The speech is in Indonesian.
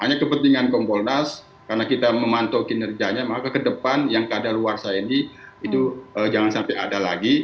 hanya kepentingan kompolnas karena kita memantau kinerjanya maka ke depan yang keadaan luar saya ini itu jangan sampai ada lagi